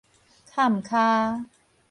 崁跤